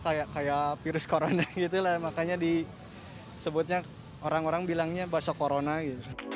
kayak virus corona gitu lah makanya disebutnya orang orang bilangnya bakso corona gitu